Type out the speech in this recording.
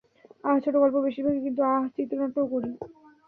আহ, ছোটগল্প বেশিরভাগই, কিন্তু, আহ, চিত্রনাট্যও করি।